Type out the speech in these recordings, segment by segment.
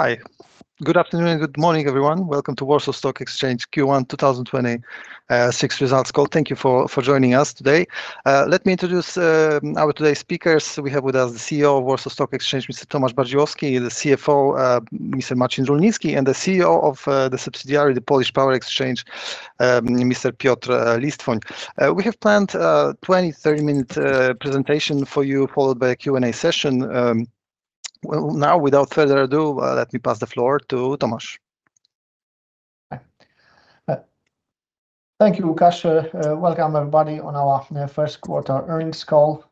Hi. Good afternoon and good morning, everyone. Welcome to Warsaw Stock Exchange Q1 2026 results call. Thank you for joining us today. Let me introduce our today's speakers. We have with us the CEO of Warsaw Stock Exchange, Mr. Tomasz Bardziłowski, the CFO, Mr. Marcin Rulnicki, and the CEO of the subsidiary of the Polish Power Exchange, Mr. Piotr Listwoń. We have planned a 20-30 minute presentation for you, followed by a Q&A session. Now, without further ado, let me pass the floor to Tomasz. Thank you, Lukasz. Welcome, everybody, on our first-quarter earnings call.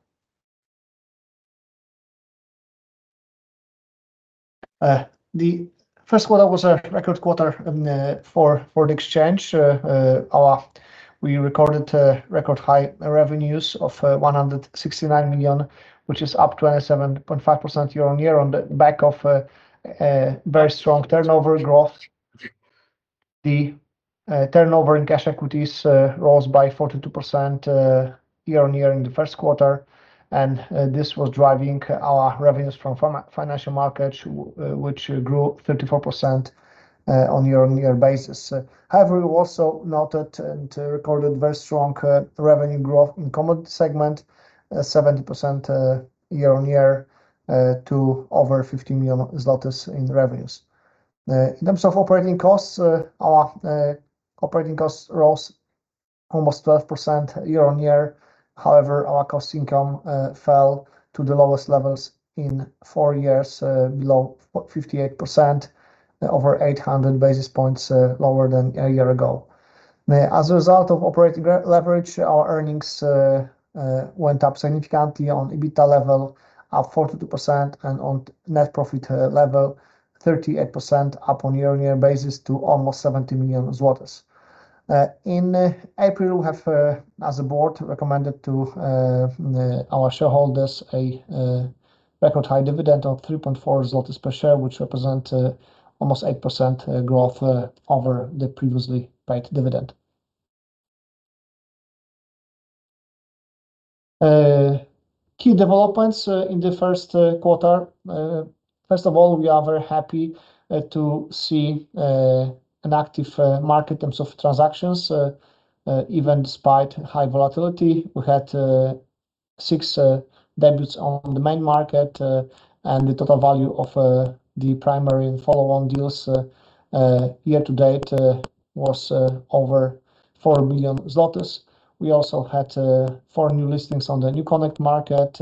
The first quarter was a record quarter for the exchange. We recorded record high revenues of 169 million, which is up 27.5% year-on-year on the back of a very strong turnover growth. The turnover in cash equities rose by 42% year-on-year in the first quarter. This was driving our revenues from financial markets, which grew 34% on a year-on-year basis. However, we also noted and recorded very strong revenue growth in commodity segment, 70% year-on-year to over 15 million zlotys in revenues. In terms of operating costs, our operating costs rose almost 12% year-on-year. However, our cost income fell to the lowest levels in four years, below 58%, over 800 basis points lower than a year ago. As a result of operating leverage, our earnings went up significantly on EBITDA level, up 42%, and on net profit level, 38% up on a year-on-year basis to almost 17 million zlotys. In April, we have, as a board, recommended to our shareholders a record high dividend of 3.4 zlotys per share, which represent almost 8% growth over the previously paid dividend. Key developments in the first quarter. First of all, we are very happy to see an active market in terms of transactions, even despite high volatility. We had six debuts on the main market, and the total value of the primary and follow-on deals year to date was over 4 million zlotys. We also had four new listings on the NewConnect market,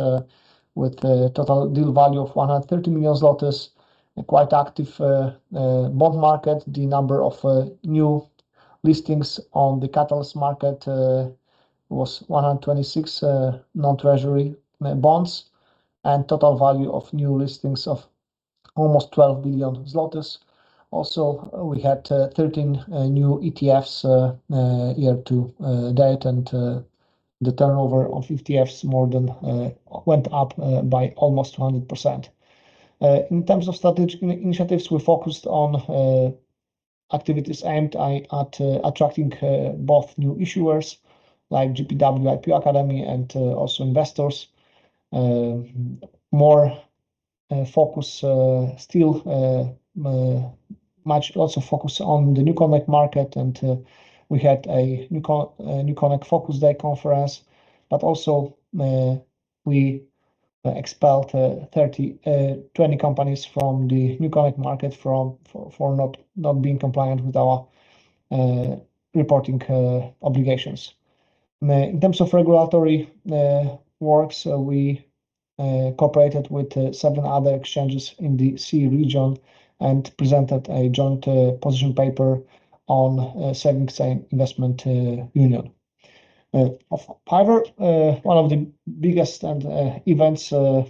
with a total deal value of 130 million zlotys. A quite active bond market. The number of new listings on the Catalyst market was 126 non-treasury bonds, and total value of new listings of almost 12 billion zlotys. Also, we had 13 new ETFs year to date, and the turnover of ETFs more than went up by almost 100%. In terms of strategic initiatives, we focused on activities aimed at attracting both new issuers, like GPW IPO Academy, and also investors. Much also focus on the NewConnect market, and we had a NewConnect Focus Day conference, but also we expelled 20 companies from the NewConnect market for not being compliant with our reporting obligations. In terms of regulatory works, we cooperated with seven other exchanges in the CEE region and presented a joint position paper on Savings and Investment Union. However, one of the biggest events so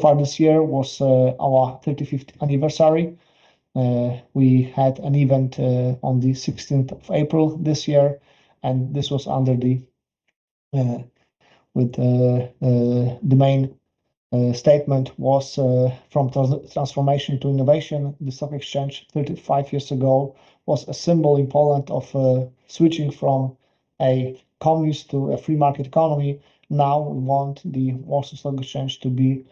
far this year was our 35th anniversary. We had an event on the 16th of April this year, and the main statement was from transformation to innovation. The stock exchange 35 years ago was a symbol in Poland of switching from a communist to a free market economy. Now we want the Warsaw Stock Exchange to be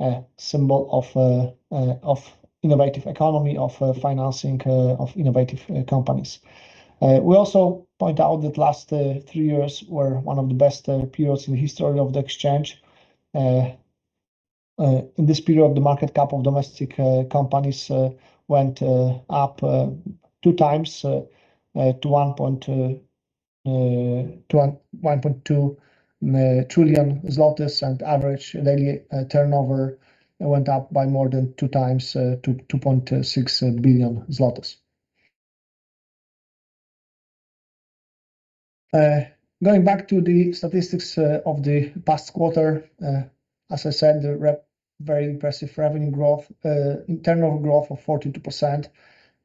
a symbol of innovative economy, of financing of innovative companies. We also point out that last three years were one of the best periods in the history of the exchange. In this period, the market cap of domestic companies went up two times to 1.2 trillion zlotys, and average daily turnover went up by more than two times to 2.6 billion zlotys. Going back to the statistics of the past quarter, as I said, the very impressive revenue growth, internal growth of 42%,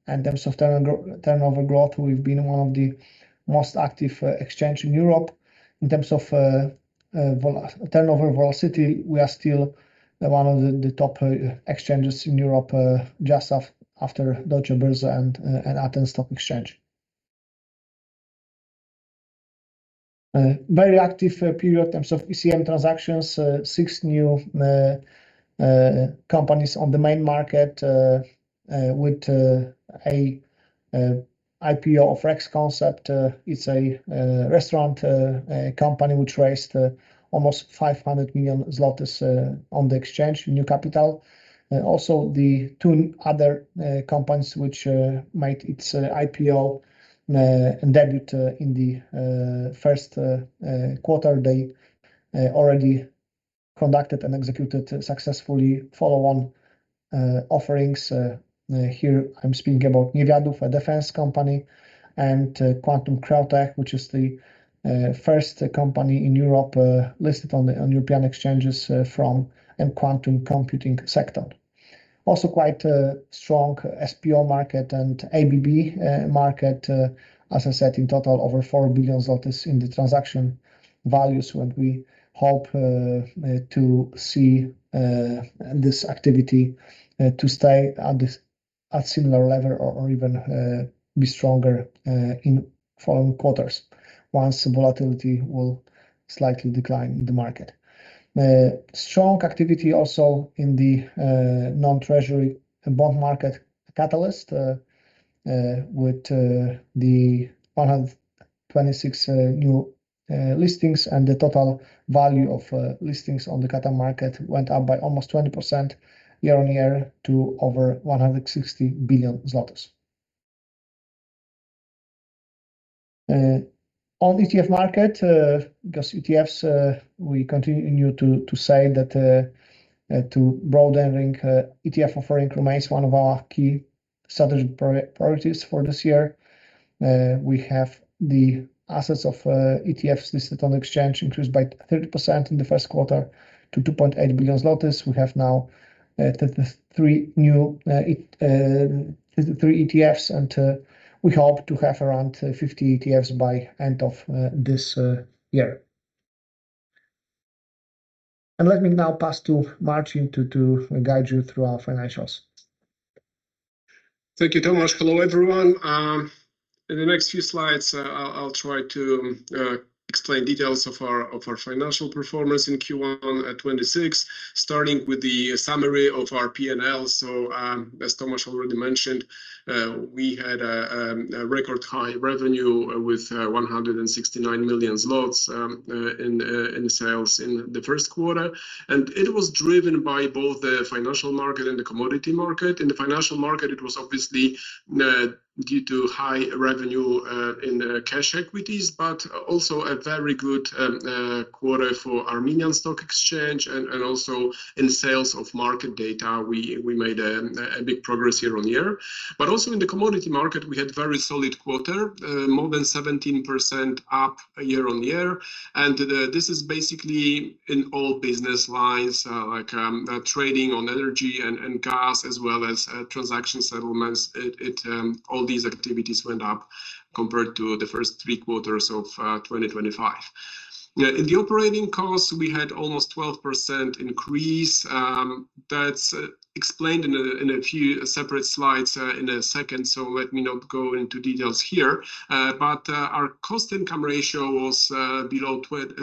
and in terms of turnover growth, we've been one of the most active exchange in Europe. In terms of turnover volatility, we are still one of the top exchanges in Europe, just after Deutsche Börse and Athens Stock Exchange. Very active period in terms of ECM transactions, six new companies on the main market with a IPO of Rex Concepts. It's a restaurant company which raised almost 500 million zlotys on the exchange, new capital. Also, the two other companies which made its IPO debut in the first quarter, they already conducted and executed successfully follow-on offerings. Here, I'm speaking about [MRAD, a defense company, and Quantum Creotech, which is the first company in Europe listed on the European exchanges from a quantum computing sector. Also, quite a strong SPO market and ABB market, as I said, in total, over 4 billion zlotys in the transaction values, what we hope to see this activity to stay at similar level or even be stronger in following quarters, once the volatility will slightly decline in the market. Strong activity also in the non-treasury bond market Catalyst with the 126 new listings, and the total value of listings on the Catalyst market went up by almost 20% year-on-year to over 160 billion. On ETF market, because ETFs, we continue to say that to broadening ETF offering remains one of our key strategic priorities for this year. We have the assets of ETFs listed on exchange increased by 30% in the first quarter to 2.8 billion zlotys. We have now 33 ETFs, and we hope to have around 50 ETFs by end of this year. Let me now pass to Marcin to guide you through our financials. Thank you, Tomasz. Hello, everyone. In the next few slides, I'll try to explain details of our financial performance in Q1 2026, starting with the summary of our P&L. As Tomasz already mentioned, we had a record high revenue with 169 million zlotys in sales in the first quarter, and it was driven by both the financial market and the commodity market. In the financial market, it was obviously due to high revenue in cash equities, but also a very good quarter for Armenia Stock Exchange and also in sales of market data, we made a big progress year-over-year. Also in the commodity market, we had very solid quarter, more than 17% up year-over-year, and this is basically in all business lines, like trading on energy and gas as well as transaction settlements. All these activities went up compared to the first three quarters of 2025. In the operating costs, we had almost 12% increase. That's explained in a few separate slides in a second. Let me not go into details here. Our cost income ratio was below 58%.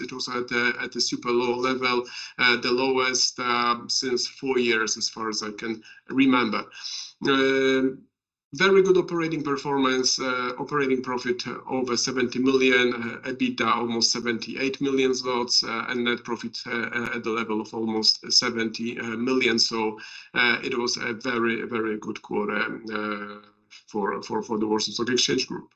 It was at a super low level, the lowest since four years, as far as I can remember. Very good operating performance, operating profit over 70 million, EBITDA almost 78 million zlotys, and net profits at the level of almost 70 million. It was a very good quarter for the Warsaw Stock Exchange Group.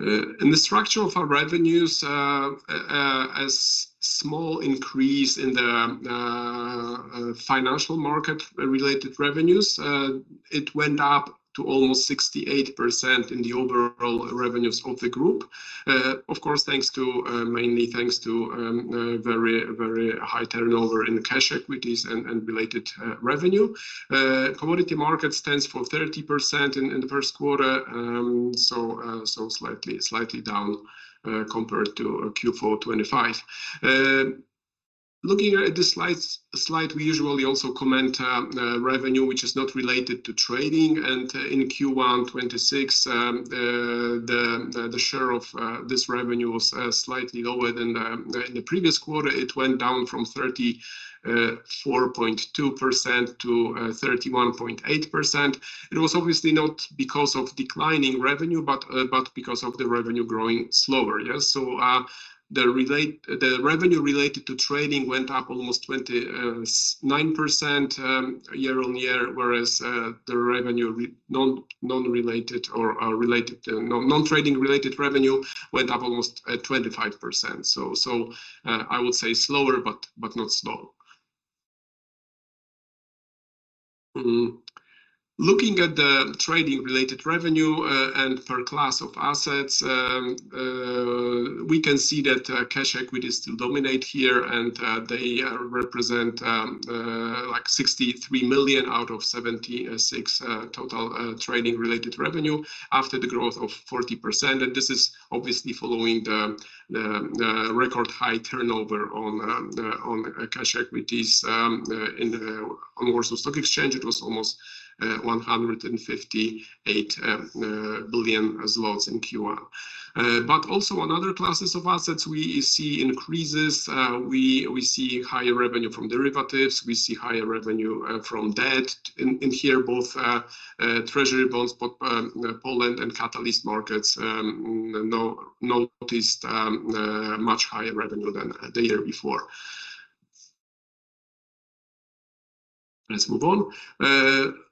In the structure of our revenues, a small increase in the financial market-related revenues. It went up to almost 68% in the overall revenues of the group. Of course, mainly thanks to very high turnover in cash equities and related revenue. Commodity market stands for 30% in the first quarter, slightly down compared to Q4 2025. Looking at the slide, we usually also comment revenue which is not related to trading, and in Q1 2026, the share of this revenue was slightly lower than the previous quarter. It went down from 34.2% to 31.8%. It was obviously not because of declining revenue, but because of the revenue growing slower. The revenue related to trading went up almost 29% year-on-year, whereas the non-trading related revenue went up almost 25%. I would say slower, but not slow. Looking at the trading-related revenue and per class of assets, we can see that cash equities still dominate here, and they represent 63 million out of 76 total trading-related revenue after the growth of 40%. This is obviously following the record high turnover on cash equities on Warsaw Stock Exchange, it was almost 158 billion in Q1. Also on other classes of assets, we see increases. We see higher revenue from derivatives, we see higher revenue from debt. Here, both treasury bonds, Poland and Catalyst markets noticed much higher revenue than the year before. Let's move on.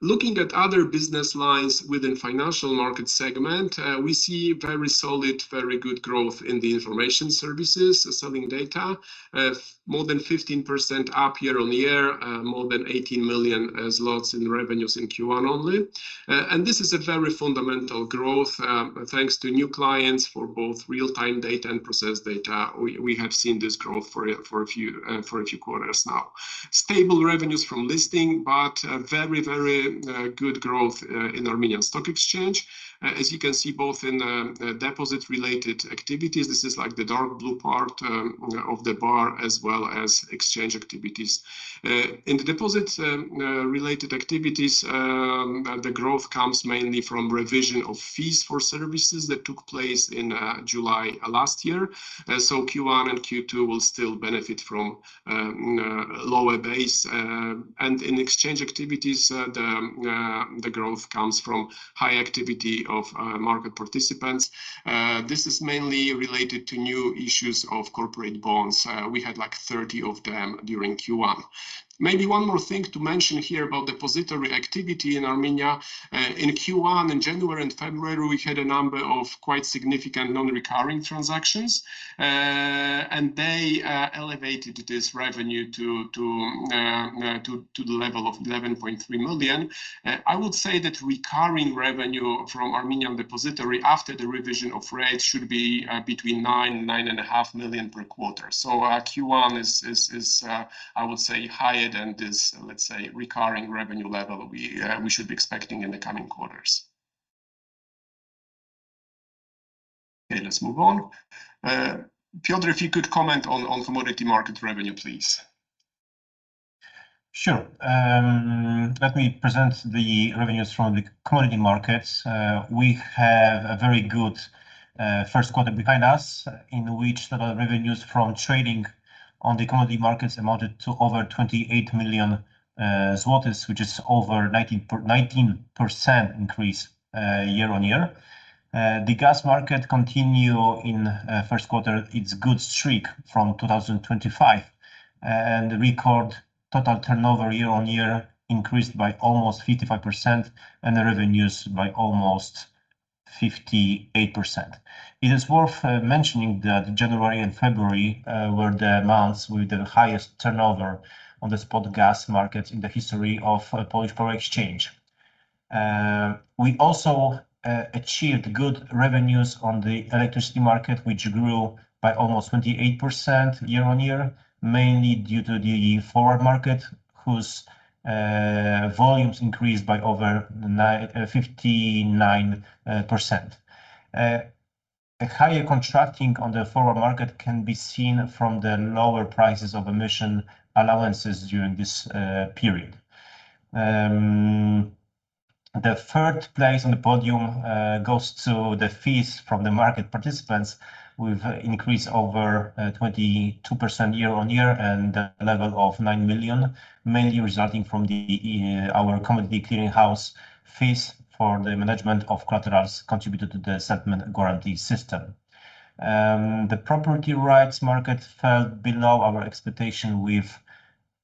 Looking at other business lines within financial market segment, we see very solid, very good growth in the information services selling data. More than 15% up year-on-year, more than 18 million zlotys in revenues in Q1 only. This is a very fundamental growth. Thanks to new clients for both real-time data and processed data, we have seen this growth for a few quarters now. Stable revenues from listing, very good growth in Armenia Stock Exchange. As you can see, both in deposit-related activities, this is like the dark blue part of the bar, as well as exchange activities. In the deposit-related activities, the growth comes mainly from revision of fees for services that took place in July last year. Q1 and Q2 will still benefit from lower base. In exchange activities, the growth comes from high activity of market participants. This is mainly related to new issues of corporate bonds. We had 30 of them during Q1. Maybe one more thing to mention here about depository activity in Armenia. In Q1, in January and February, we had a number of quite significant non-recurring transactions, and they elevated this revenue to the level of 11.3 million. I would say that recurring revenue from Armenian depository after the revision of rates should be between nine million, nine and a half million per quarter. Q1 is, I would say, higher than this, let's say, recurring revenue level we should be expecting in the coming quarters. Okay, let's move on. Piotr, if you could comment on commodity market revenue, please. Sure. Let me present the revenues from the commodity markets. We have a very good first quarter behind us, in which the revenues from trading on the commodity markets amounted to over 28 million zlotys, which is over 19% increase year-on-year. The gas market continue in first quarter its good streak from 2025, and record total turnover year-on-year increased by almost 55%, and the revenues by almost 58%. It is worth mentioning that January and February were the months with the highest turnover on the spot gas market in the history of Polish Power Exchange. We also achieved good revenues on the electricity market, which grew by almost 28% year-on-year, mainly due to the forward market, whose volumes increased by over 59%. A higher contracting on the forward market can be seen from the lower prices of emission allowances during this period. The third place on the podium goes to the fees from the market participants with increase over 22% year-on-year and a level of 9 million, mainly resulting from our commodity clearing house fees for the management of collaterals contributed to the settlement guarantee system. The property rights market fell below our expectation with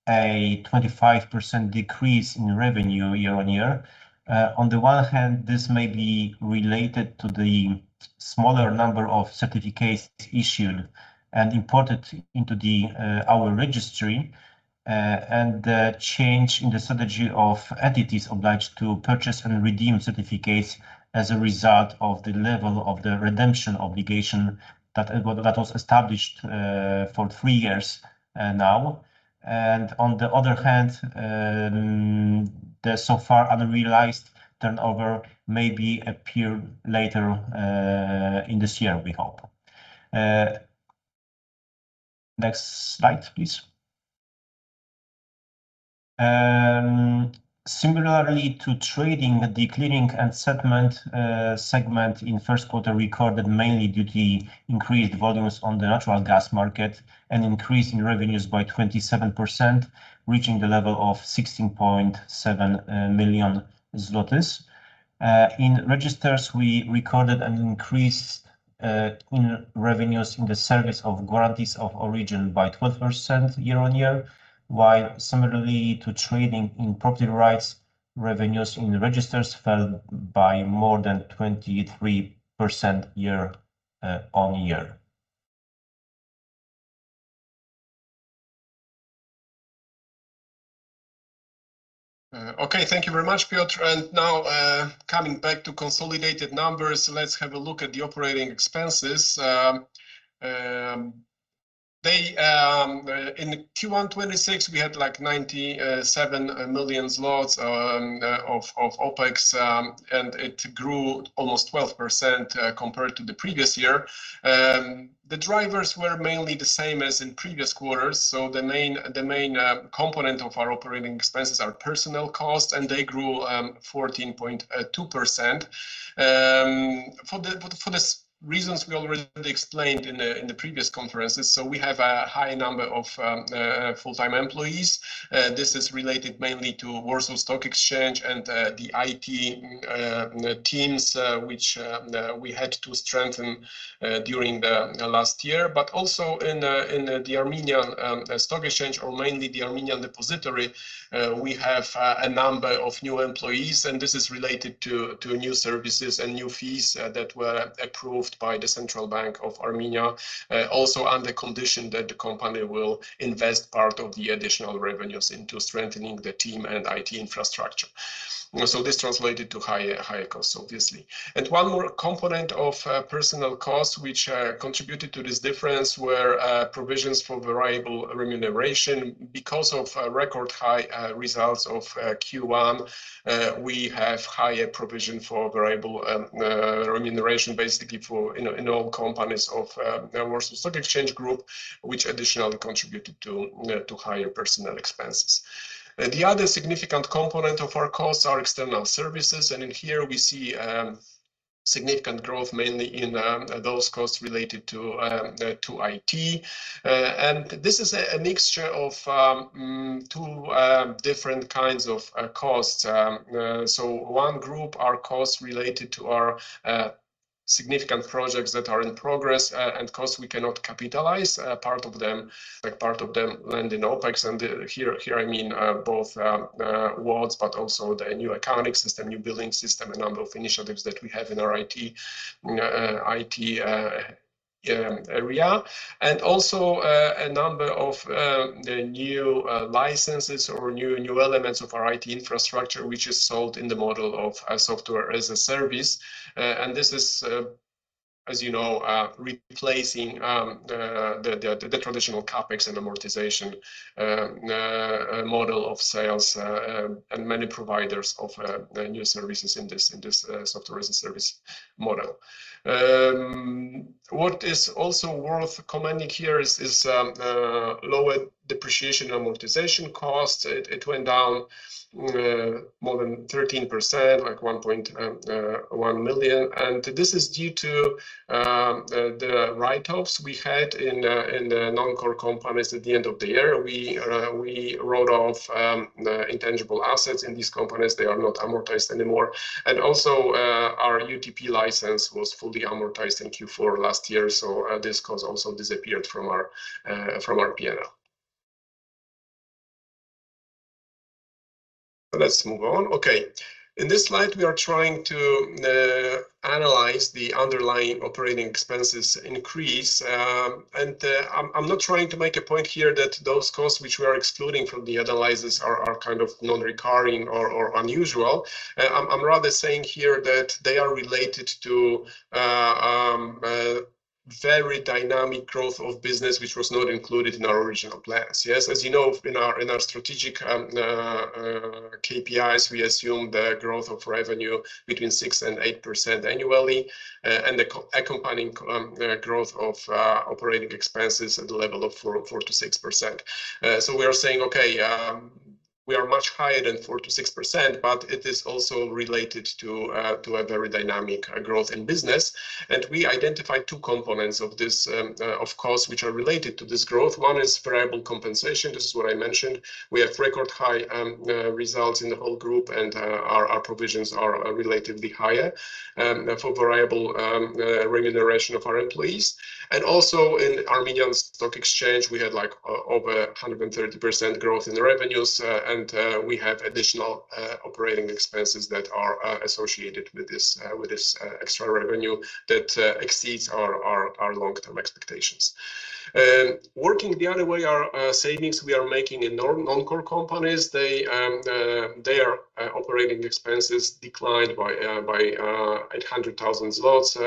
a 25% decrease in revenue year-on-year. On the one hand, this may be related to the smaller number of certificates issued and imported into our registry, and the change in the strategy of entities obliged to purchase and redeem certificates as a result of the level of the redemption obligation that was established for three years now. On the other hand, the so far unrealized turnover may appear later in this year, we hope. Next slide, please. Similarly to trading, the clearing and settlement segment in first quarter recorded mainly due to increased volumes on the natural gas market, an increase in revenues by 27%, reaching the level of 16.7 million zlotys. In registers, we recorded an increase in revenues in the service of guarantees of origin by 12% year-over-year, while similarly to trading in property rights, revenues in the registers fell by more than 23% year-over-year. Okay, thank you very much, Piotr. Now, coming back to consolidated numbers, let's have a look at the operating expenses. In the Q1 2026, we had 97 million zlotys of OpEx, and it grew almost 12% compared to the previous year. The drivers were mainly the same as in previous quarters. The main component of our operating expenses are personnel costs, and they grew 14.2%. For the reasons we already explained in the previous conferences, we have a high number of full-time employees. This is related mainly to Warsaw Stock Exchange and the IT teams, which we had to strengthen during the last year, but also in the Armenia Stock Exchange or mainly the Armenian Depository. We have a number of new employees, and this is related to new services and new fees that were approved by the Central Bank of Armenia. Also under condition that the company will invest part of the additional revenues into strengthening the team and IT infrastructure. This translated to higher costs, obviously. One more component of personnel costs, which contributed to this difference, were provisions for variable remuneration. Because of record-high results of Q1, we have higher provision for variable remuneration, basically in all companies of our stock exchange group, which additionally contributed to higher personal expenses. The other significant component of our costs are external services, and in here we see significant growth, mainly in those costs related to IT. This is a mixture of two different kinds of costs. One group are costs related to our significant projects that are in progress, and costs we cannot capitalize part of them land in OpEx. Here, I mean both WATS, but also the new accounting system, new billing system, a number of initiatives that we have in our IT area. Also a number of new licenses or new elements of our IT infrastructure, which is sold in the model of software as a service. This is, as you know, replacing the traditional CapEx and amortization model of sales, and many providers of new services in this software as a service model. What is also worth commending here is lower depreciation amortization costs. It went down more than 13%, like 1.1 million. This is due to the write-offs we had in the non-core companies at the end of the year. We wrote off the intangible assets in these companies. They are not amortized anymore. Also, our UTP license was fully amortized in Q4 last year, so this cost also disappeared from our P&L. Let's move on. Okay. In this slide, we are trying to analyze the underlying operating expenses increase. I'm not trying to make a point here that those costs, which we are excluding from the analysis, are non-recurring or unusual. I'm rather saying here that they are related to very dynamic growth of business, which was not included in our original plans. Yes, as you know, in our strategic KPIs, we assume the growth of revenue between 6% and 8% annually, and the accompanying growth of operating expenses at the level of 4% to 6%. We are saying, okay, we are much higher than 4% to 6%, but it is also related to a very dynamic growth in business. We identified two components of costs which are related to this growth. One is variable compensation. This is what I mentioned. We have record-high results in the whole group, and our provisions are relatively higher for variable remuneration of our employees. Also in Armenia Stock Exchange, we had over 130% growth in the revenues, and we have additional operating expenses that are associated with this extra revenue that exceeds our long-term expectations. Working the other way are savings we are making in non-core companies. Their operating expenses declined by 800,000 zlotys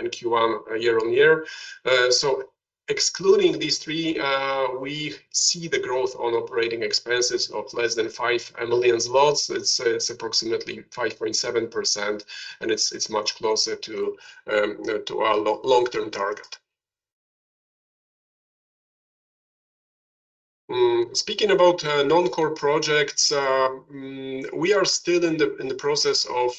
in Q1 year-on-year. Excluding these three, we see the growth on operating expenses of less than 5 million zlotys. It's approximately 5.7%, and it's much closer to our long-term target. Speaking about non-core projects, we are still in the process of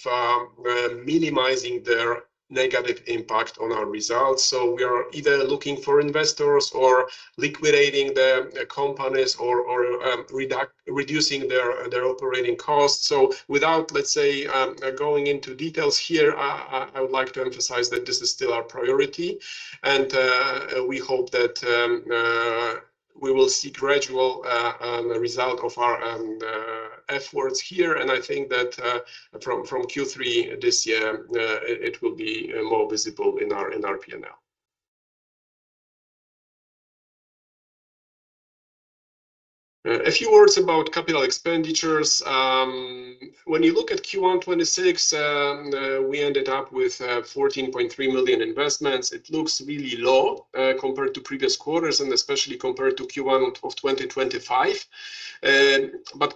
minimizing their negative impact on our results. We are either looking for investors or liquidating the companies or reducing their operating costs. Without, let's say, going into details here, I would like to emphasize that this is still our priority, and we hope that we will see gradual result of our efforts here. I think that from Q3 this year, it will be more visible in our P&L. A few words about capital expenditures. When you look at Q1 2026, we ended up with 14.3 million investments. It looks really low compared to previous quarters, and especially compared to Q1 of 2025.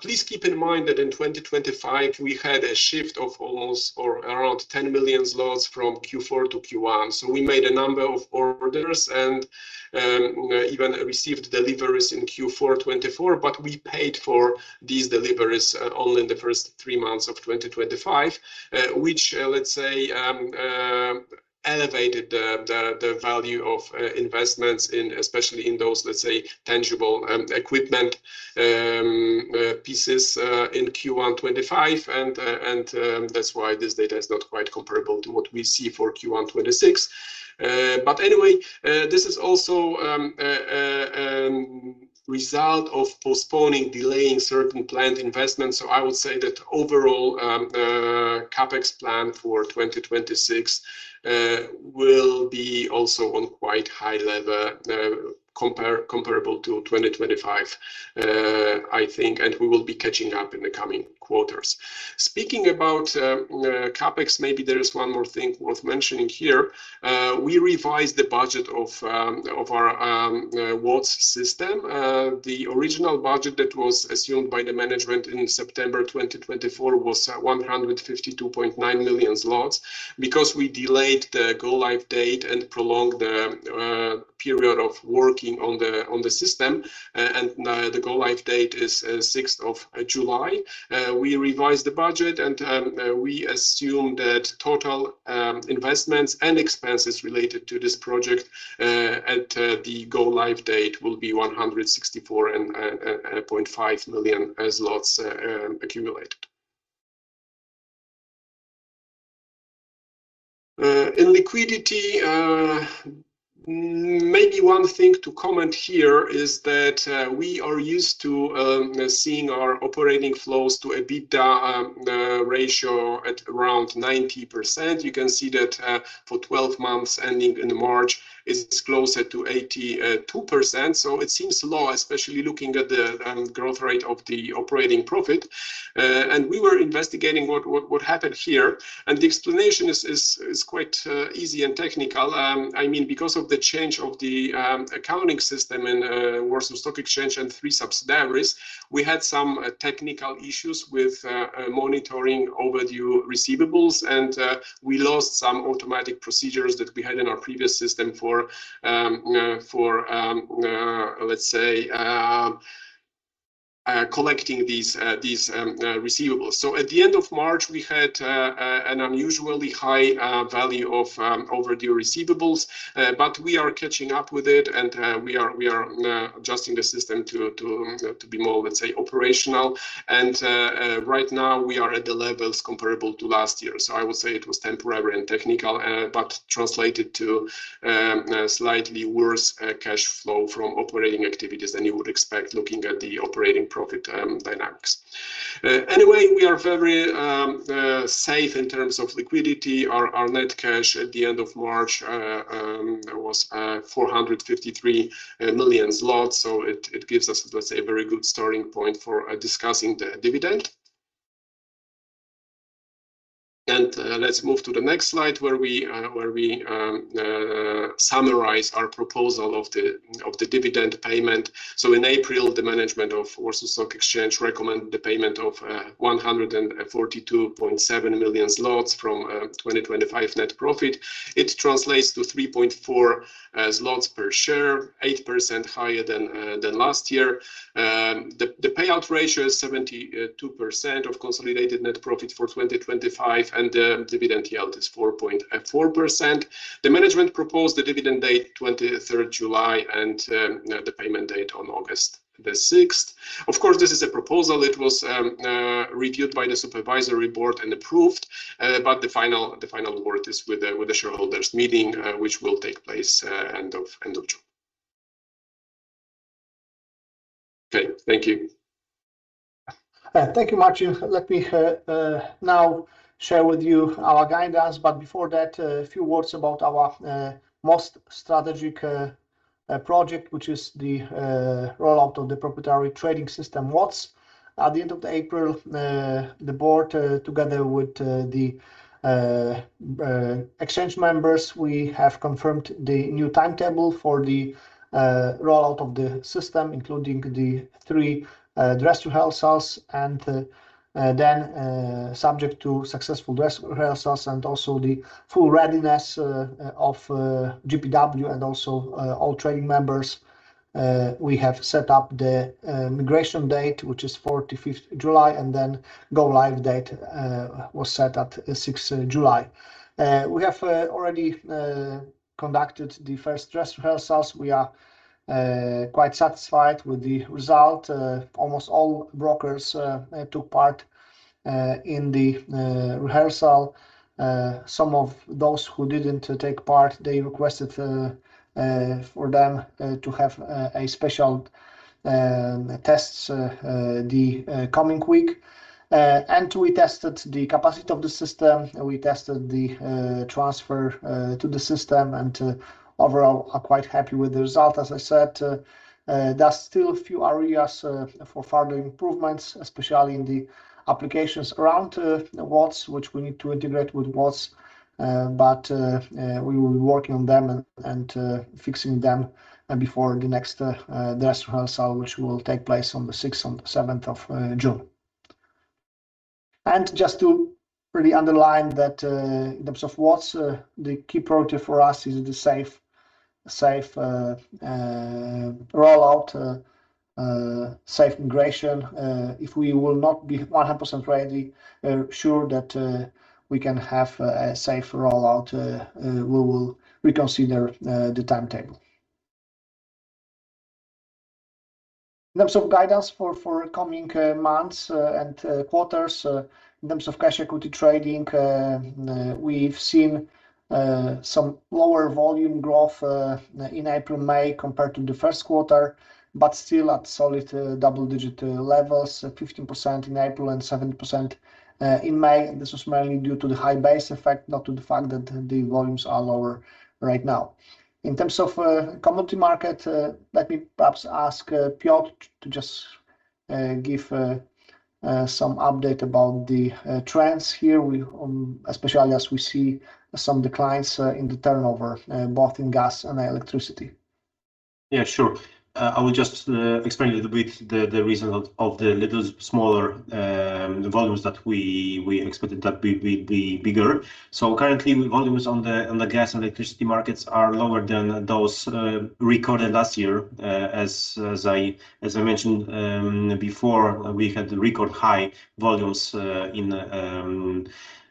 Please keep in mind that in 2025, we had a shift of almost or around 10 million zlotys from Q4 to Q1. We made a number of orders and even received deliveries in Q4 2024, but we paid for these deliveries only in the first three months of 2025, which, let's say, elevated the value of investments, especially in those, let's say, tangible equipment pieces in Q1 2025, that's why this data is not quite comparable to what we see for Q1 2026. Anyway, this is also a result of postponing, delaying certain planned investments. I would say that overall, CapEx plan for 2026 will be also on quite high level comparable to 2025, I think, we will be catching up in the coming quarters. Speaking about CapEx, maybe there is one more thing worth mentioning here. We revised the budget of our WATS system. The original budget that was assumed by the management in September 2024 was 152.9 million zlotys. Because we delayed the go-live date and prolonged the period of working on the system, the go-live date is 6th of July, we revised the budget, we assume that total investments and expenses related to this project at the go-live date will be 164.5 million as PLN accumulated. In liquidity, maybe one thing to comment here is that we are used to seeing our operating flows to EBITDA ratio at around 90%. You can see that for 12 months ending in March, it's closer to 82%. It seems low, especially looking at the growth rate of the operating profit. We were investigating what happened here. The explanation is quite easy and technical. Because of the change of the accounting system in Warsaw Stock Exchange and three subsidiaries, we had some technical issues with monitoring overdue receivables, and we lost some automatic procedures that we had in our previous system for, let's say, collecting these receivables. At the end of March, we had an unusually high value of overdue receivables, but we are catching up with it, and we are adjusting the system to be more, let's say, operational. Right now, we are at the levels comparable to last year. I would say it was temporary and technical, but translated to slightly worse cash flow from operating activities than you would expect looking at the operating profit dynamics. Anyway, we are very safe in terms of liquidity. Our net cash at the end of March was 453 million zlotys, so it gives us, let's say, a very good starting point for discussing the dividend. Let's move to the next slide where we summarize our proposal of the dividend payment. In April, the management of Warsaw Stock Exchange recommended the payment of 142.7 million zlotys from 2025 net profit. It translates to 3.4 zlotys per share, 8% higher than last year. The payout ratio is 72% of consolidated net profit for 2025, and the dividend yield is 4.4%. The management proposed the dividend date 23rd July and the payment date on August the 6th. Of course, this is a proposal. It was reviewed by the supervisory board and approved, but the final word is with the shareholders' meeting, which will take place end of June. Okay. Thank you. Thank you, Marcin. Let me now share with you our guidance, but before that, a few words about our most strategic project, which is the rollout of the proprietary trading system, WATS. At the end of April, the board, together with the exchange members, we have confirmed the new timetable for the rollout of the system, including the three dress rehearsal, and then subject to successful dress rehearsals and also the full readiness of GPW and also all trading members, we have set up the migration date, which is 5th July, and then go-live date was set at 6th July. We have already conducted the first dress rehearsals. We are quite satisfied with the result. Almost all brokers took part in the rehearsal. Some of those who didn't take part, they requested for them to have a special test the coming week. Two, we tested the capacity of the system, and we tested the transfer to the system, and overall, are quite happy with the result. As I said, there are still a few areas for further improvements, especially in the applications around WATS, which we need to integrate with WATS, but we will be working on them and fixing them before the next dress rehearsal, which will take place on the sixth and seventh of June. Just to really underline that in terms of what's the key priority for us is the safe rollout, safe integration. If we will not be 100% sure that we can have a safe rollout, we will reconsider the timetable. In terms of guidance for coming months and quarters, in terms of cash equity trading, we've seen some lower volume growth in April, May, compared to the first quarter, but still at solid double-digit levels, 15% in April and 7% in May. This was mainly due to the high base effect, not to the fact that the volumes are lower right now. In terms of commodity market, let me perhaps ask Piotr to just give some update about the trends here, especially as we see some declines in the turnover, both in gas and electricity. Yeah, sure. I will just explain a little bit the reason of the little smaller, the volumes that we expected that would be bigger. Currently, volumes on the gas and electricity markets are lower than those recorded last year. As I mentioned before, we had record high volumes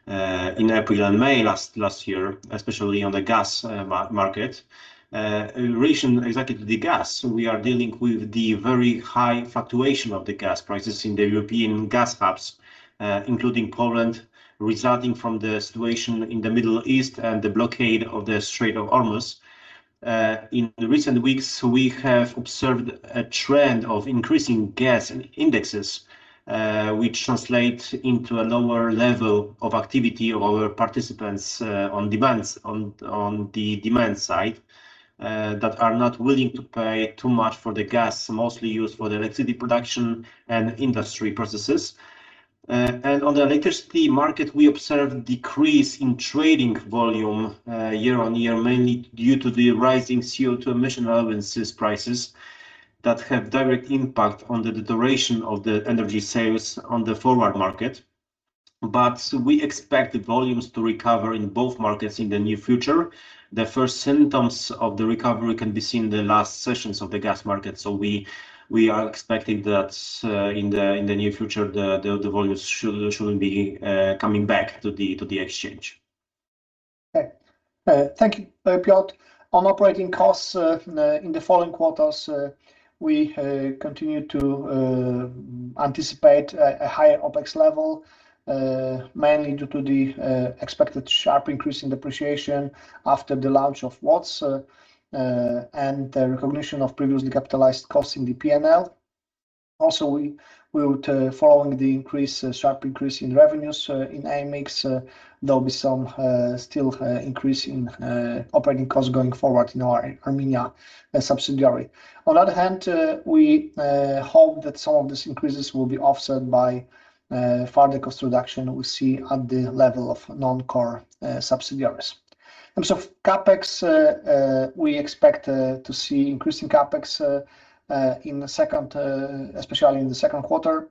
in April and May last year, especially on the gas market. In relation exactly to the gas, we are dealing with the very high fluctuation of the gas prices in the European gas hubs, including Poland, resulting from the situation in the Middle East and the blockade of the Strait of Hormuz. In recent weeks, we have observed a trend of increasing gas indexes, which translate into a lower level of activity of our participants on the demand side, that are not willing to pay too much for the gas, mostly used for electricity production and industry processes. On the electricity market, we observed decrease in trading volume year-over-year, mainly due to the rising CO2 emission allowances prices that have direct impact on the duration of the energy sales on the forward market. We expect the volumes to recover in both markets in the near future. The first symptoms of the recovery can be seen in the last sessions of the gas market. We are expecting that in the near future, the volumes should be coming back to the exchange. Okay. Thank you, Piotr. On operating costs in the following quarters, we continue to anticipate a higher OpEx level, mainly due to the expected sharp increase in depreciation after the launch of WATS and the recognition of previously capitalized costs in the P&L. Also, we would, following the sharp increase in revenues in AMX, there'll be some still increase in operating costs going forward in our Armenia subsidiary. On the other hand, we hope that some of these increases will be offset by further cost reduction we see at the level of non-core subsidiaries. In terms of CapEx, we expect to see increasing CapEx, especially in the second quarter,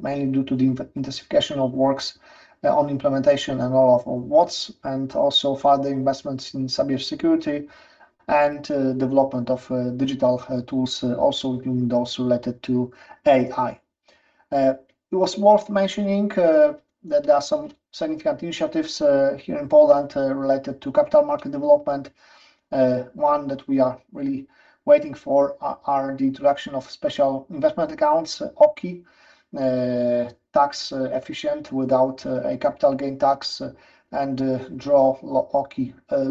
mainly due to the intensification of works on implementation and roll-out of WATS, and also further investments in cybersecurity and development of digital tools, also including those related to AI. It was worth mentioning that there are some significant initiatives here in Poland related to capital market development. One that we are really waiting for are the introduction of special investment accounts, OIPE, tax efficient without a capital gain tax and draft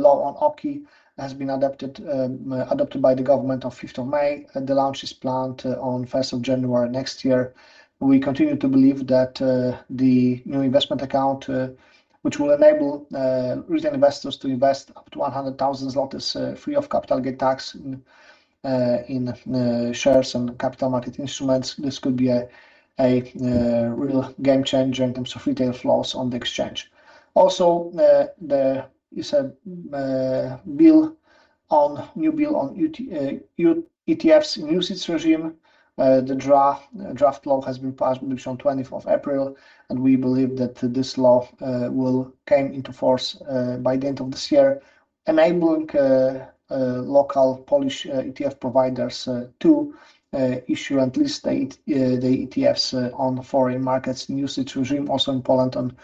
law on OIPE has been adopted by the government on 5th of May, and the launch is planned on 1st of January next year. We continue to believe that the new investment account, which will enable retail investors to invest up to 100,000 zlotys free of capital gain tax in shares and capital market instruments, this could be a real game changer in terms of retail flows on the exchange. Also, there is a new bill on ETFs UCITS regime. The draft law has been passed on 24th of April, and we believe that this law will come into force by the end of this year, enabling local Polish ETF providers to issue and list the ETFs on foreign markets and UCITS regime, also in Poland,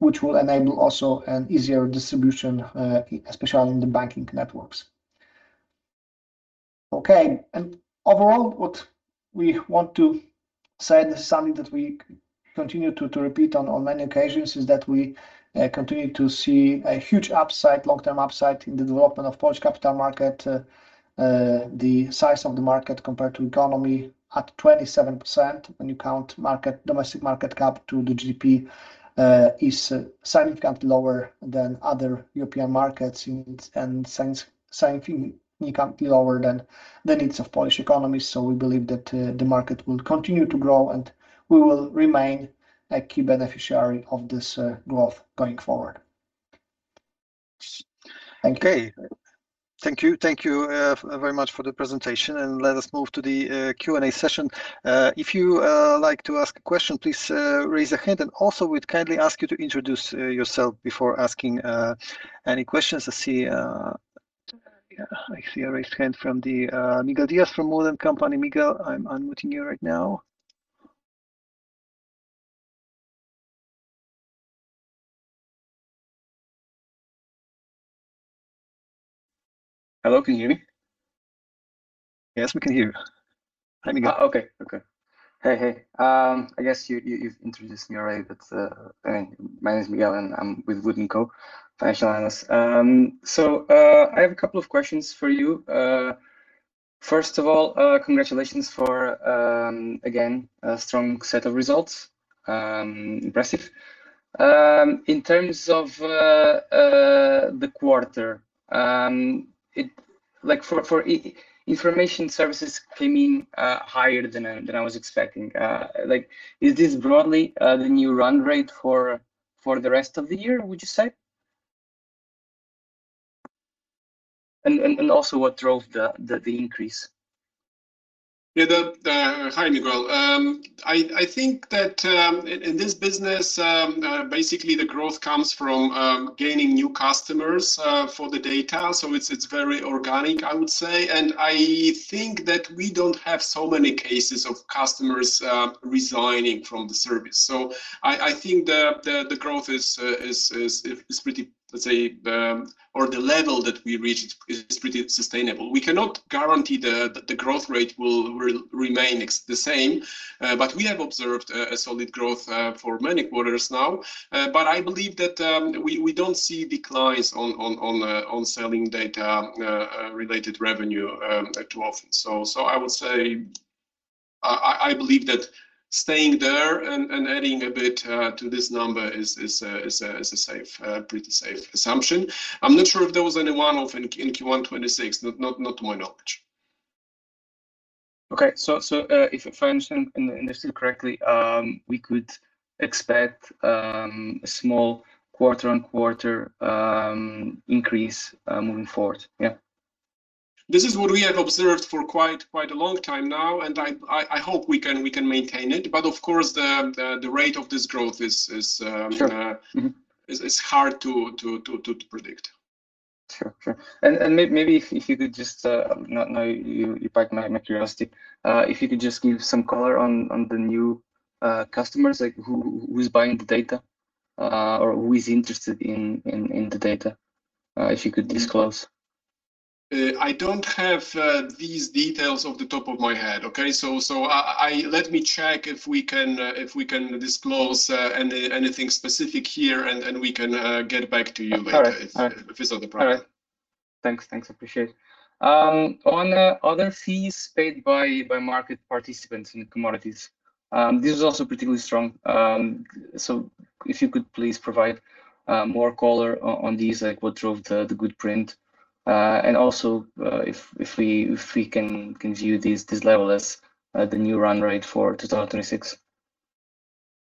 which will enable also an easier distribution, especially in the banking networks. Okay. Overall, what we want to say, this is something that we continue to repeat on many occasions, is that we continue to see a huge upside, long-term upside in the development of Polish capital market. The size of the market compared to economy at 27%, when you count domestic market cap to the GDP, is significantly lower than other European markets and significantly lower than the needs of Polish economy. We believe that the market will continue to grow, and we will remain a key beneficiary of this growth going forward. Okay. Thank you very much for the presentation. Let us move to the Q&A session. If you would like to ask a question, please raise a hand. Also, we'd kindly ask you to introduce yourself before asking any questions. I see a raised hand from Miguel Dias from WOOD & Company. Miguel, I'm looking at you right now. Hello, can you hear me? Yes, we can hear you. Hi, Miguel. Okay. Hey. I guess you've introduced me already, but my name is Miguel, and I'm with WOOD & Co Financial Analysis. I have a couple of questions for you. First of all, congratulations for, again, a strong set of results. Impressive. In terms of the quarter, for information services coming higher than I was expecting. Is this broadly the new run rate for the rest of the year, would you say? Also what drove the increase? Yeah. Hi, Miguel. I think that in this business, basically the growth comes from gaining new customers for the data. It's very organic, I would say. I think that we don't have so many cases of customers resigning from the service. I think the growth or the level that we reached is pretty sustainable. We cannot guarantee that the growth rate will remain the same, but we have observed a solid growth for many quarters now. I believe that we don't see declines on selling data related revenue too often. I would say, I believe that staying there and adding a bit to this number is a pretty safe assumption. I'm not sure if there was any one-off in Q1 2026, not to my knowledge. Okay. If I understand and listen correctly, we could expect a small quarter-on-quarter increase moving forward, yeah? This is what we have observed for quite a long time now, and I hope we can maintain it. But of course, the rate of this growth is hard to predict. Sure. Maybe if you could just, you piqued my curiosity, if you could just give some color on the new customers, like who's buying the data, or who is interested in the data. If you could disclose. I don't have these details off the top of my head. Okay? Let me check if we can disclose anything specific here, and we can get back to you later. Okay. If it's not a problem. All right. Thanks, appreciate it. On other fees paid by market participants in commodities, this is also pretty strong. If you could please provide more color on these, like what drove the good print, and also, if we can view this level as the new run rate for 2026.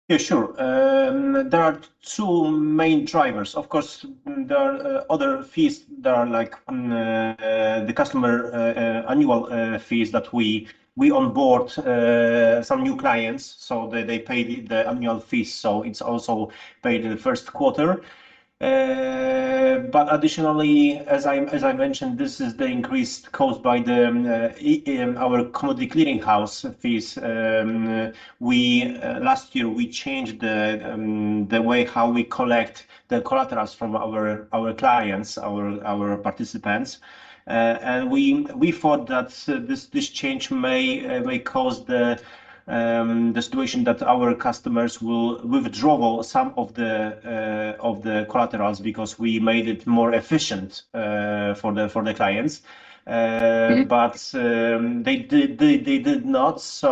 Yeah, sure. There are two main drivers. Of course, there are other fees that are like the customer annual fees that we onboard some new clients, so they paid the annual fees. It's also paid in the first quarter. Additionally, as I mentioned, this is the increase caused by our commodity clearing house fees. Last year, we changed the way how we collect the collateral from our clients, our participants. We thought that this change may cause the situation that our customers will withdraw some of the collaterals because we made it more efficient for the clients. They did not.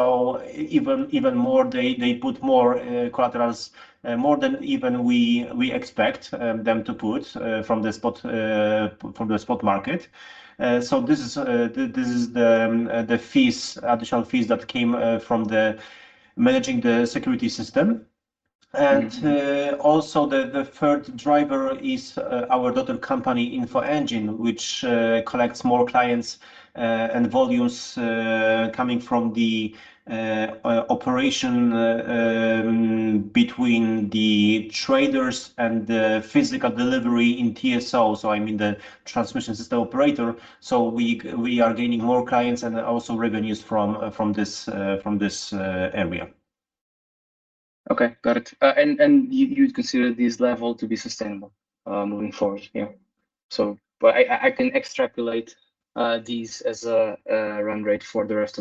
Even more, they put more collaterals and more than even we expect them to put from the spot market. This is the additional fees that came from managing the security system. The third driver is our daughter company, InfoEngine, which collects more clients and volumes coming from the operation between the traders and the physical delivery in TSO, so I mean the transmission system operator. We are gaining more clients and also revenues from this area. Okay, got it. You'd consider this level to be sustainable moving forward? Yeah. I can extrapolate these as a run rate for the rest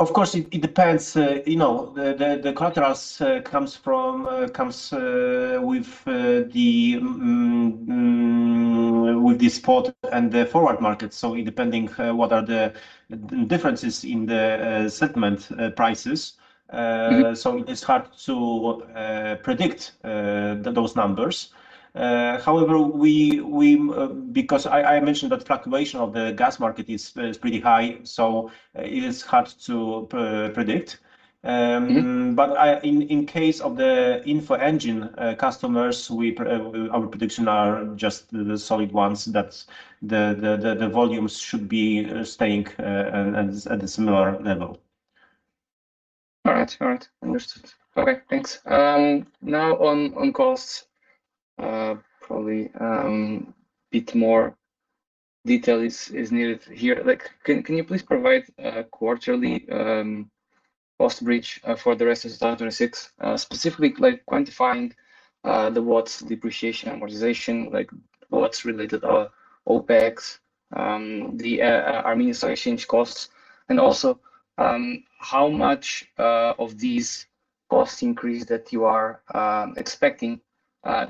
of 2026. Of course, it depends. The contracts comes with the spot and the forward market. Depending what are the differences in the settlement prices. It is hard to predict those numbers. However, because I mentioned that fluctuation of the gas market is pretty high, so it is hard to predict. In case of the InfoEngine customers, our predictions are just the solid ones, that the volumes should be staying at a similar level. All right. Understood. Okay, thanks. Now on costs, probably bit more detail is needed here. Can you please provide a quarterly cost bridge for the rest of 2026, specifically quantifying the WATS depreciation amortization, WATS related OpEx, the Armenia Stock Exchange costs, and also how much of these cost increase that you are expecting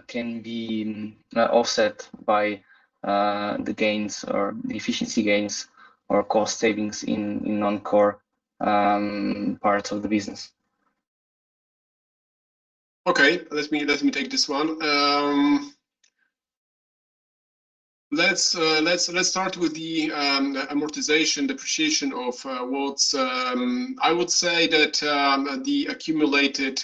can be offset by the gains or the efficiency gains or cost savings in non-core parts of the business? Okay, let me take this one. Let's start with the amortization depreciation of WATS. I would say that the accumulated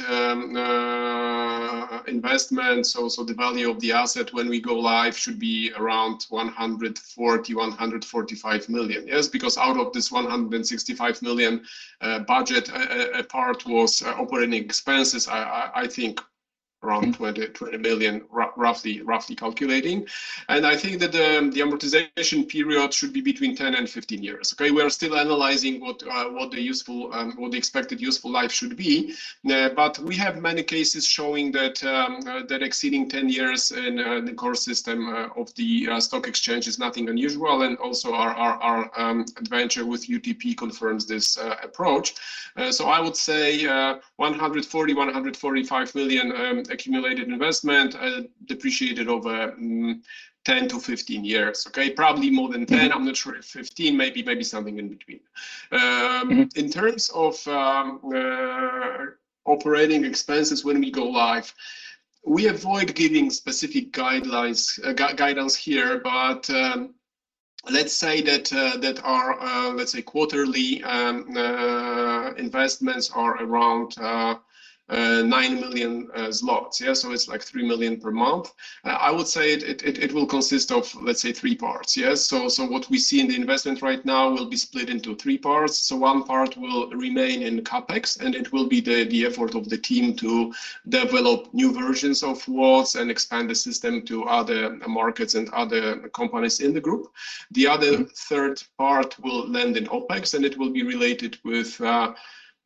investments, also the value of the asset when we go live, should be around 140 million-145 million. Yes, because out of this 165 million budget, a part was operating expenses, I think around 20 million roughly calculating. I think that the amortization period should be between 10 and 15 years. Okay. We are still analyzing what the expected useful life should be. We have many cases showing that exceeding 10 years in the core system of the stock exchange is nothing unusual. Also our adventure with UTP confirms this approach. I would say 140 million-145 million accumulated investment depreciated over 10-15 years. Okay. Probably more than 10. I'm not sure if 15, maybe something in between. In terms of operating expenses when we go live, we avoid giving specific guidance here. Let's say that our quarterly investments are around 9 million zlotys. Yeah. It's like 3 million per month. I would say it will consist of, let's say, three parts. Yes. What we see in the investment right now will be split into three parts. One part will remain in CapEx, and it will be the effort of the team to develop new versions of WATS and expand the system to other markets and other companies in the group. The other third part will land in OpEx, and it will be related with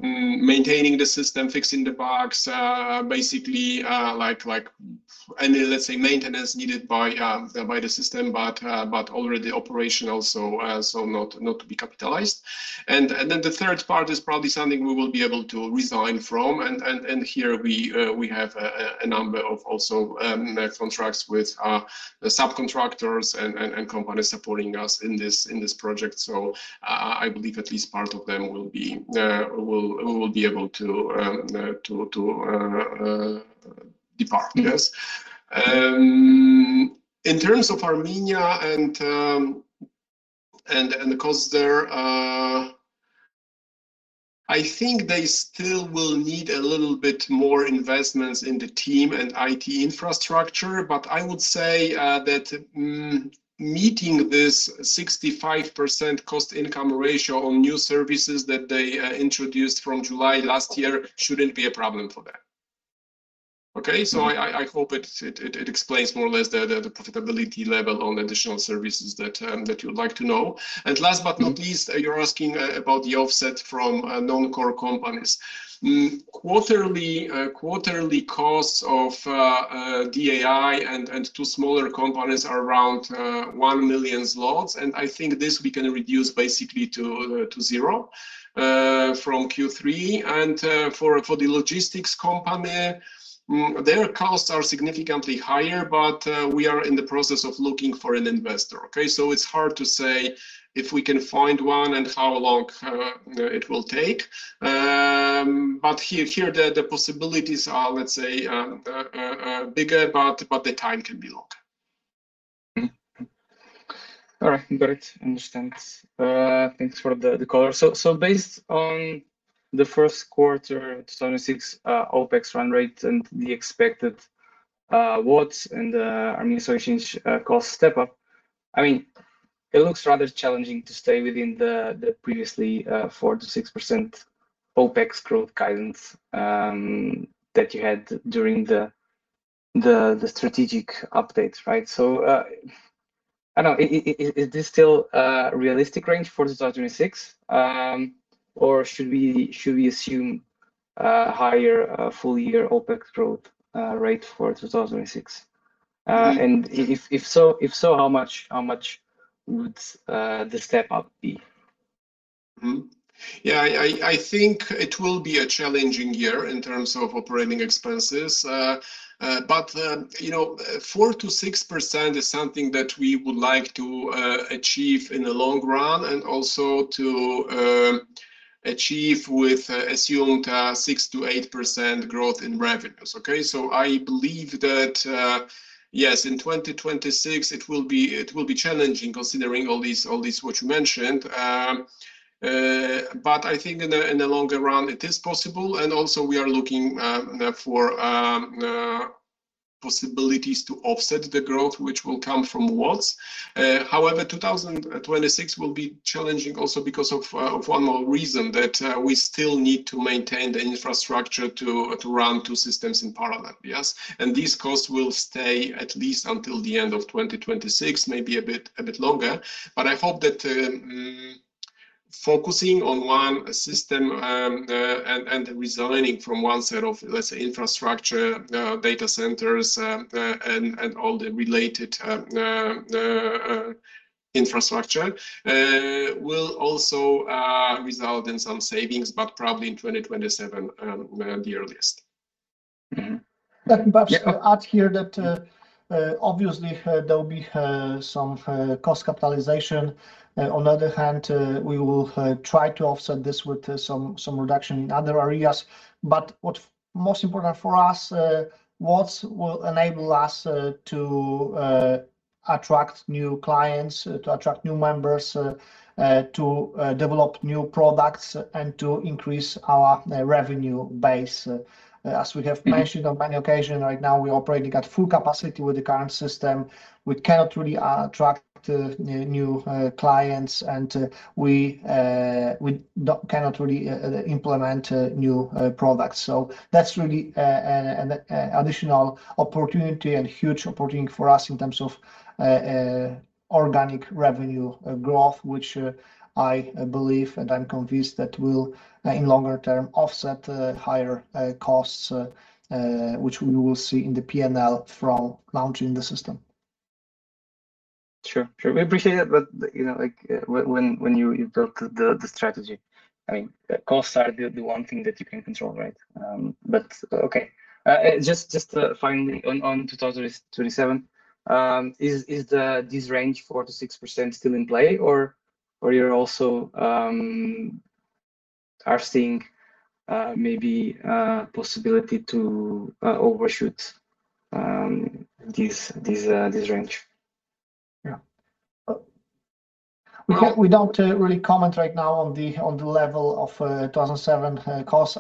maintaining the system, fixing the bugs, basically any, let's say, maintenance needed by the system, but already operational, so not to be capitalized. The third part is probably something we will be able to resign from. Here we have a number of also contracts with subcontractors and companies supporting us in this project. I believe at least part of them we'll be able to depart. Yes. In terms of Armenia and the costs there, I think they still will need a little bit more investments in the team and IT infrastructure. I would say that meeting this 65% cost-income ratio on new services that they introduced from July last year shouldn't be a problem for them. Okay? I hope it explains more or less the profitability level on additional services that you would like to know. Last but not least, you're asking about the offset from non-core companies. Quarterly costs of DAI and two smaller companies are around 1 million zlotys, and I think this we can reduce basically to zero from Q3. For the logistics company, their costs are significantly higher, but we are in the process of looking for an investor. Okay? It's hard to say if we can find one and how long it will take. Here the possibilities are, let's say, bigger, but the time can be long. All right. Got it. Understand. Thanks for the color. Based on the first quarter 2026 OpEx run rate and the expected WATS and Armenia Stock Exchange cost step up, it looks rather challenging to stay within the previously 4% to 6% OpEx growth guidance that you had during the strategic update. Right? I know, is this still a realistic range for 2026? Or should we assume a higher full year OpEx growth rate for 2026? If so, how much would the step up be? Yeah, I think it will be a challenging year in terms of operating expenses. 4%-6% is something that we would like to achieve in the long run and also to achieve with assumed 6%-8% growth in revenues. I believe that, yes, in 2026, it will be challenging considering all these what you mentioned. I think in the longer run, it is possible. Also we are looking for possibilities to offset the growth which will come from WATS. However, 2026 will be challenging also because of one more reason, that we still need to maintain the infrastructure to run two systems in parallel. Yes. These costs will stay at least until the end of 2026, maybe a bit longer. I hope that focusing on one system, and resigning from one set of, let's say, infrastructure, data centers, and all the related infrastructure will also result in some savings, but probably in 2027, the earliest. Let me perhaps add here that obviously there will be some cost capitalization. On the other hand, we will try to offset this with some reduction in other areas. What most important for us, WATS will enable us to attract new clients, to attract new members, to develop new products, and to increase our revenue base. As we have mentioned on many occasion, right now, we operating at full capacity with the current system. We cannot really attract new clients, and we cannot really implement new products. That's really an additional opportunity and huge opportunity for us in terms of organic revenue growth, which I believe, and I'm convinced that will, in longer term, offset higher costs, which we will see in the P&L from launching the system. Sure. We appreciate that, when you built the strategy, costs are the one thing that you can control, right? Okay. Just finally, on 2027, is this range 4%-6% still in play, or you also are seeing maybe a possibility to overshoot this range? Yeah. We don't really comment right now on the level of 2027 costs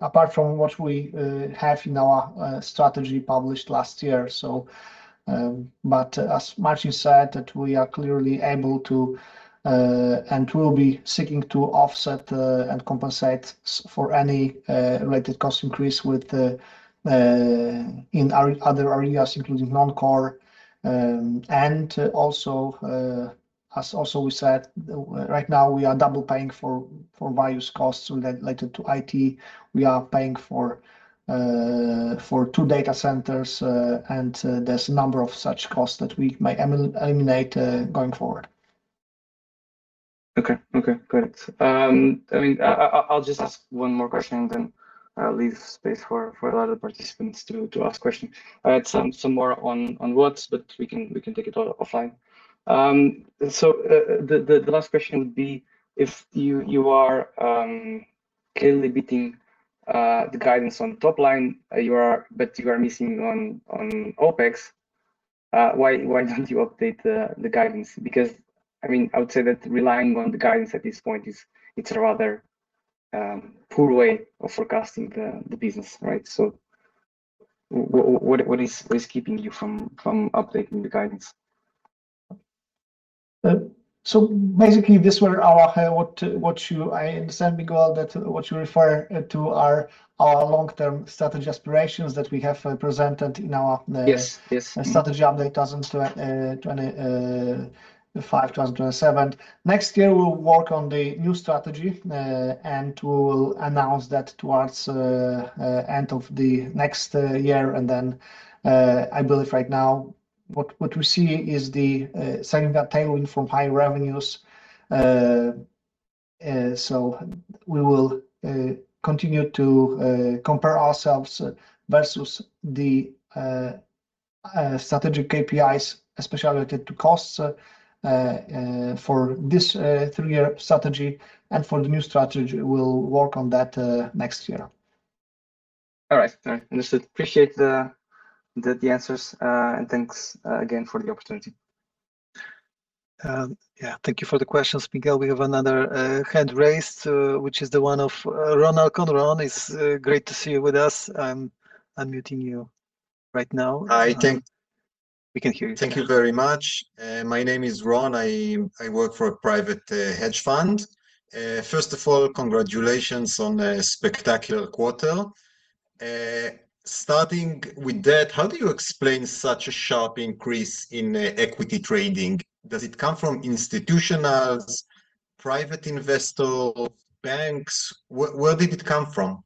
apart from what we have in our strategy published last year. As Marcin said, that we are clearly able to and we will be seeking to offset and compensate for any related cost increase in other areas, including non-core. As also we said, right now we are double paying for various costs related to IT. We are paying for two data centers, and there's a number of such costs that we may eliminate going forward. Okay, great. I'll just ask one more question, then leave space for a lot of participants to ask questions. I had some more on WATS, but we can take it all offline. The last question would be, if you are clearly beating the guidance on top line, but you are missing on OpEx, why don't you update the guidance? I would say that relying on the guidance at this point is, it's a rather poor way of forecasting the business, right? What is keeping you from updating the guidance? Basically, these were our I understand, Miguel, that what you refer to are our long-term strategy aspirations that we have presented. Yes Strategy update 2025, 2027. Next year, we will work on the new strategy, we will announce that towards end of the next year, I believe right now what we see is the second tailwind from high revenues. We will continue to compare ourselves versus the strategic KPIs, especially related to costs, for this three-year strategy. For the new strategy, we'll work on that next year. All right. Understood. Appreciate the answers, and thanks again for the opportunity. Yeah. Thank you for the questions, Miguel. We have another hand raised, which is the one of Ron Alcon. Ron, it's great to see you with us. I'm unmuting you right now. Hi. We can hear you. Thank you very much. My name is Ron. I work for a private hedge fund. First of all, congratulations on a spectacular quarter. Starting with that, how do you explain such a sharp increase in equity trading? Does it come from institutionals, private investors, banks? Where did it come from?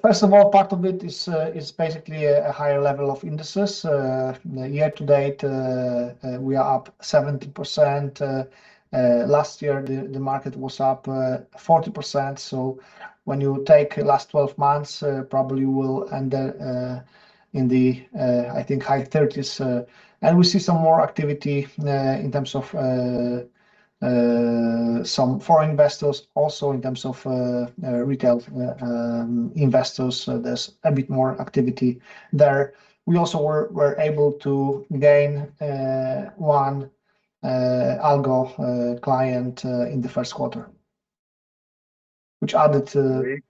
First of all, part of it is basically a higher level of indices. Year to date, we are up 70%. Last year, the market was up 40%, so when you take last 12 months, probably you will end in the, I think, high 30s. We see some more activity. Some foreign investors also in terms of retail investors, there's a bit more activity there. We also were able to gain one algo client in the first quarter, which added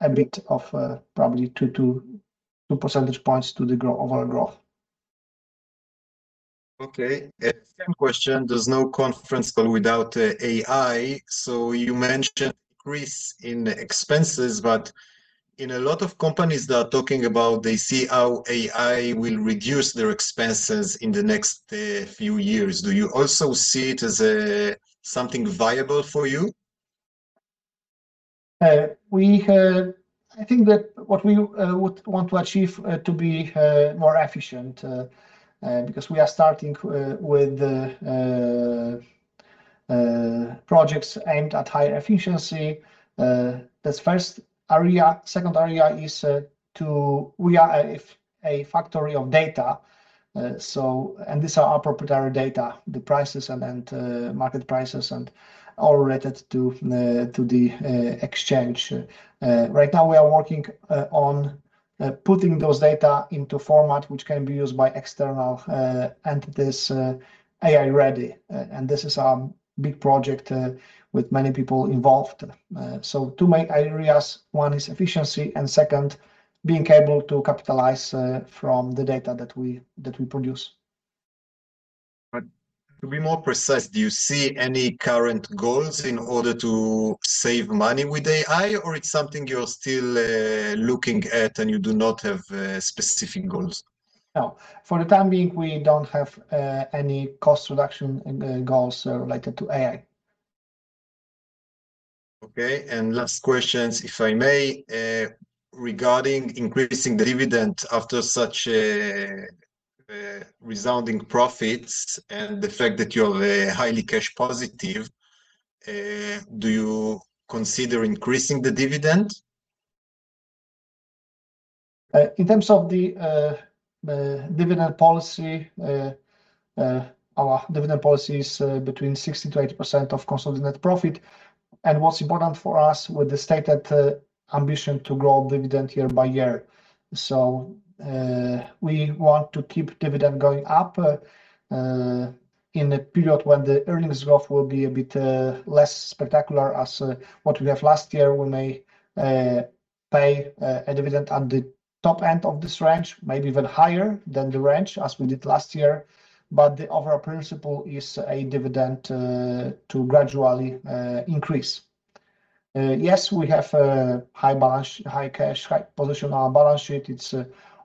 a bit of probably two percentage points to the overall growth. Okay. Same question. There's no conference call without AI. You mentioned increase in expenses, but in a lot of companies they are talking about, they see how AI will reduce their expenses in the next few years. Do you also see it as something viable for you? I think that what we would want to achieve to be more efficient, because we are starting with projects aimed at higher efficiency. That's first area. Second area is we are a factory of data, and these are our proprietary data, the prices and market prices and all related to the exchange. Right now we are working on putting those data into format which can be used by external entities, AI-ready. This is our big project with many people involved. Two main areas. One is efficiency, and second, being able to capitalize from the data that we produce. To be more precise, do you see any current goals in order to save money with AI, or it's something you're still looking at and you do not have specific goals? No. For the time being, we don't have any cost reduction goals related to AI. Okay, last questions, if I may, regarding increasing the dividend after such resounding profits and the fact that you're highly cash positive, do you consider increasing the dividend? In terms of the dividend policy, our dividend policy is between 60% to 80% of consolidated net profit. What's important for us with the stated ambition to grow dividend year by year. We want to keep dividend going up, in a period when the earnings growth will be a bit less spectacular as what we have last year. We may pay a dividend at the top end of this range, maybe even higher than the range as we did last year. The overall principle is a dividend to gradually increase. We have high cash position on our balance sheet. It's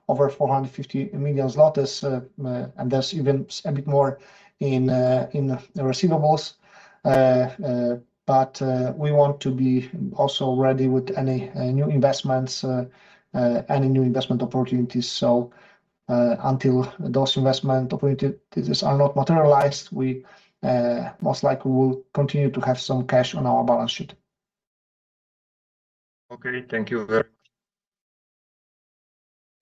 over 450 million zlotys, and there's even a bit more in receivables. We want to be also ready with any new investments, any new investment opportunities. Until those investment opportunities are not materialized, we most likely will continue to have some cash on our balance sheet. Okay. Thank you very much.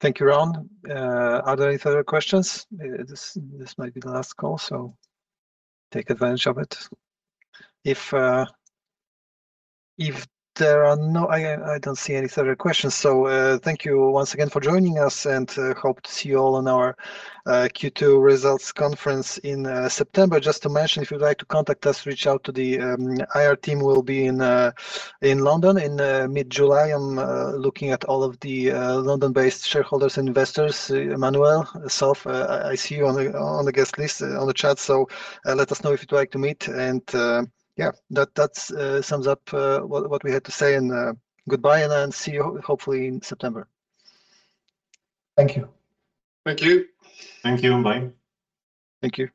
Thank you, Ron. Are there any further questions? This might be the last call, so take advantage of it. I don't see any further questions. Thank you once again for joining us and hope to see you all on our Q2 results conference in September. Just to mention, if you'd like to contact us, reach out to the IR team will be in London in mid-July. I'm looking at all of the London-based shareholders and investors. Emmanuel, yourself, I see you on the guest list on the chat. Let us know if you'd like to meet. Yeah, that sums up what we had to say and goodbye and see you hopefully in September. Thank you. Thank you. Thank you. Bye. Thank you.